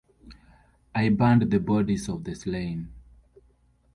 I burned the bodies of the slain.